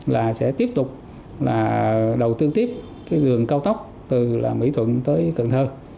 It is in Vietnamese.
là sẽ tiếp tục là đầu tư tiếp cái đường cao tốc từ mỹ thuận tới cần thơ